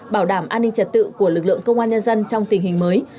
bảo đảm an ninh trật tự của lực lượng công an nhân dân trong tình hình mới